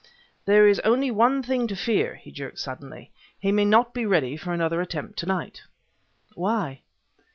"There is only one thing to fear," he jerked suddenly; "he may not be ready for another attempt to night." "Why?"